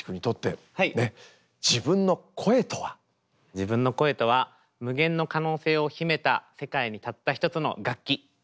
自分の声とは無限の可能性を秘めた世界にたった一つの楽器。